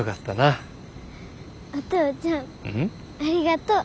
ありがとう。